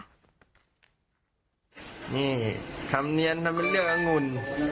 นี่คำเนียนทำเป็นเรื่องอังุ่น